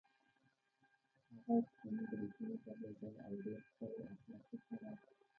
هغه سپین بریتونه درلودل او ډېر ښکلی اخلاقي سړی وو.